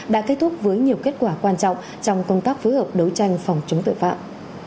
đã kết thúc với nhiều kết quả quan trọng trong công tác phối hợp đấu tranh phòng chống tội phạm